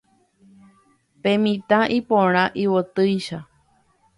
Pe mitã iporã yvotýicha.